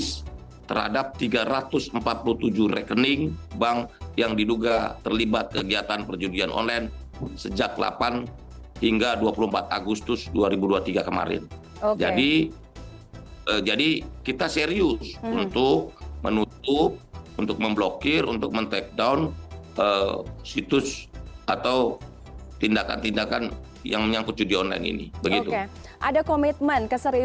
selamat sore pak menteri